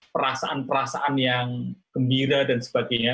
perasaan perasaan yang gembira dan sebagainya